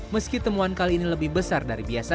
meski temuan kali ini lebih besar dari biasa